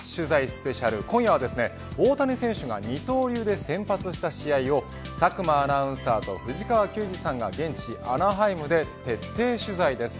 スペシャル今夜は大谷選手が二刀流で先発した試合を佐久間アナウンサーと藤川球児さんが現地アナハイムで徹底取材です。